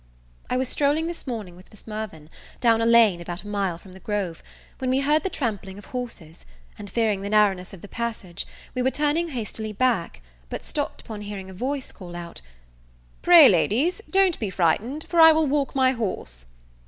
I was strolling this morning with Miss Mirvan, down a lane about a mile from the Grove, when we heard the trampling of horses; and, fearing the narrowness of the passage, we were turning hastily back, but stopped upon hearing a voice call out, "Pray, Ladies, don't be frightened, for I will walk my horse."